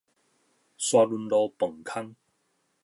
沙崙路磅空